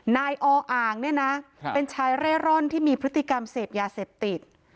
นายออ่างเนี่ยนะเป็นชายเร่ร่อนที่มีพฤติกรรมเสพยาเสพติด